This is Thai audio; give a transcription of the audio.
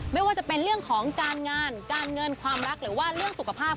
ไม่ว่าจะเป็นเรื่องของการงานการเงินความรักหรือว่าเรื่องสุขภาพ